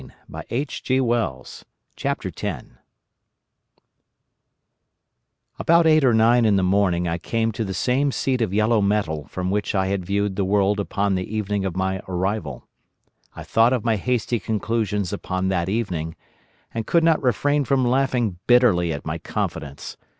The Trap of the White Sphinx "About eight or nine in the morning I came to the same seat of yellow metal from which I had viewed the world upon the evening of my arrival. I thought of my hasty conclusions upon that evening and could not refrain from laughing bitterly at my confidence.